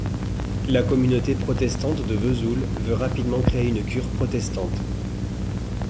La communauté protestante de Vesoul veut rapidement créer une cure protestante.